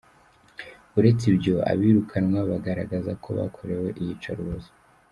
Uretse ibyo, abirukanwa bagaragaza ko bakorewe iyicarubozo.